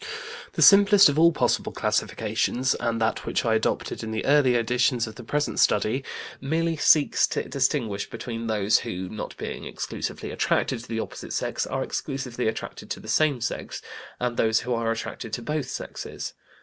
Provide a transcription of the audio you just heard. The simplest of all possible classifications, and that which I adopted in the earlier editions of the present Study, merely seeks to distinguish between those who, not being exclusively attracted to the opposite sex, are exclusively attracted to the same sex, and those who are attracted to both sexes.